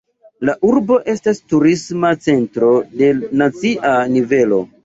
La urbo estas turisma centro de nacia nivelo.